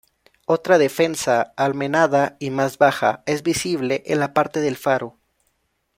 Otra defensa, almenada y más baja, es visible en la parte del faro.